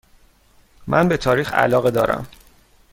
من به تاریخ علاقه دارم.